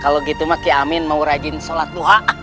kalau gitu maki amin mau rajin sholat duha